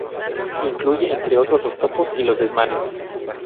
Incluye, entre otros, los topos y los desmanes.